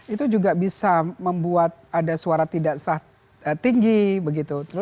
itu juga bisa membuat ada suara tidak tinggi